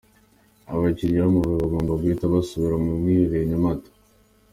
Abakinnyi b'Amavubi bagomba guhita basubira mu mwiherero i Nyamata .